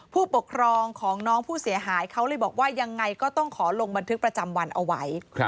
ผู้ปกครองของน้องผู้เสียหายเขาเลยบอกว่ายังไงก็ต้องขอลงบันทึกประจำวันเอาไว้